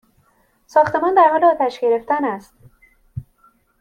ساختمان در حال آتش گرفتن است!